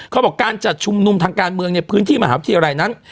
เขาบอกการจัดชุมนุมทางการเมืองในพื้นที่มหาวิทยาลัยนั้น